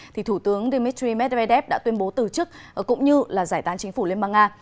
thủ tướng dmitry medvedev đã tuyên bố từ chức cũng như giải tán chính phủ liên bang nga